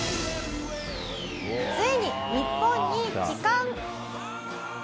ついに日本に帰還！